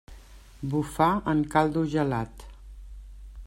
Bufar en caldo gelat.